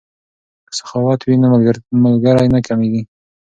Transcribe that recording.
که سخاوت وي نو ملګری نه کمیږي.